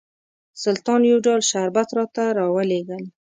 سلطان یو ډول شربت راته راولېږل.